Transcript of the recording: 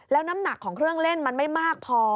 แล้วน้ำหนักของเครื่องเล่นมันไม่มากพอ